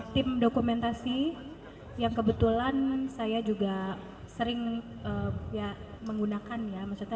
tim dokumentasi yang kebetulan saya juga sering menggunakan ya